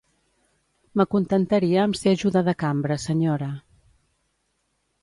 M'acontentaria amb ser ajuda de cambra, senyora.